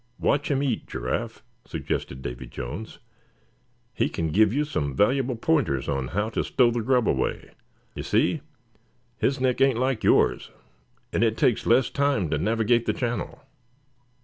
"Watch him eat, Giraffe," suggested Davy Jones; "he can give you some valuable pointers on how to stow the grub away. You see, his neck ain't like yours, and it takes less time to navigate the channel."